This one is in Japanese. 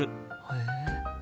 へえ。